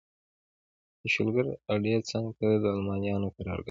د شولګر اډې څنګ ته د المانیانو قرارګاه وه.